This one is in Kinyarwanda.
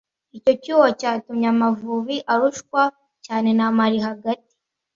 Icyo cyuho cyatumye Amavubi arushwa cyane na Mali hagati